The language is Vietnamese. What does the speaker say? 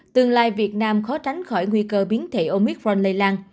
tương lai việt nam khó tránh khỏi nguy cơ biến thể omitron lây lan